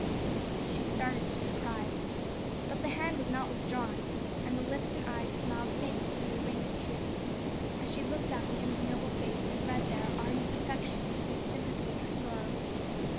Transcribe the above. She started with surprise, but the hand was not withdrawn, and the lips and eyes smiled faintly through the rain of tears as she looked up into his noble face and read there ardent affection and deep sympathy in her sorrow.